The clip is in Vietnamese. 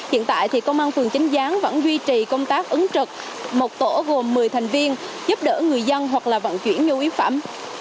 hiện tại thì công an phường chính gián vẫn duy trì công tác ứng trực một tổ gồm một mươi thành viên giúp đỡ người dân hoặc là vận chuyển nhu yếu phẩm